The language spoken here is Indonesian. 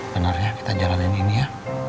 bener ya kita jalanin ini ya